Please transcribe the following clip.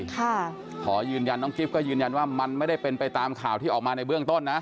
จะไปตามข่าวที่ออกมาในเบื้องต้นนะ